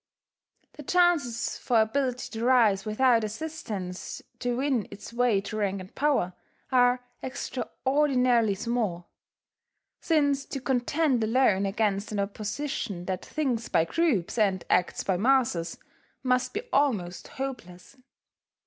The chances for ability to rise without assistance, to win its way to rank and power, are extraordinarily small; since to contend alone against an opposition that thinks by groups, and acts by masses, must be almost hopeless.